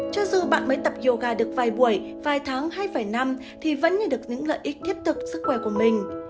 cho dù bạn mới tập yoga được vài buổi vài tháng hai vài năm thì vẫn nhận được những lợi ích thiết thực sức khỏe của mình